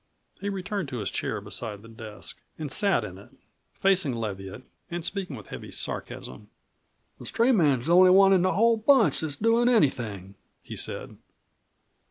He returned to his chair beside the desk and sat in it, facing Leviatt, and speaking with heavy sarcasm. "The stray man's the only one of the whole bunch that's doin' anything," he said.